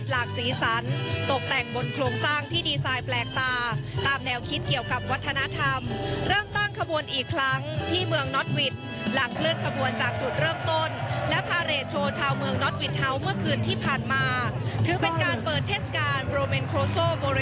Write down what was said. ที่สุดสงครามโลกครั้งที่สองหรือกว่า๗๐ปีมาแล้ว